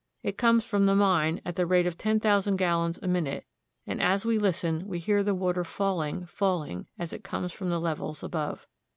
It comes from the mine at the rate of ten thousand gallons a minute, and as we listen, we hear the water falling, falling, as it comes from the levels above.